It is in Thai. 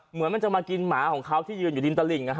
เหมือนจะมากินหมาของเขาที่อยู่ในดินตระหลิง